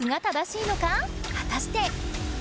はたして。